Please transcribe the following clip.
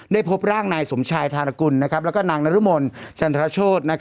ได้พบร่างนายสมชายทราคุณและนางนรมลสัญลโศษ